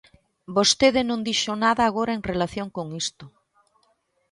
Vostede non dixo nada agora en relación con isto.